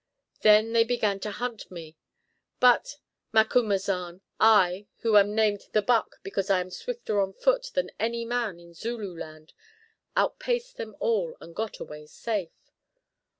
Then they began to hunt me, but, Macumazahn, I, who am named 'The Buck' because I am swifter of foot than any man in Zululand, outpaced them all and got away safe."